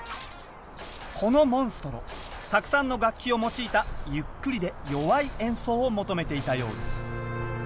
このモンストロたくさんの楽器を用いたゆっくりで弱い演奏を求めていたようです。